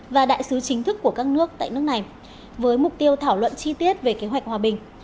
và đại sứ chính thức của các nước tại nước này với mục tiêu thảo luận chi tiết về kế hoạch hòa bình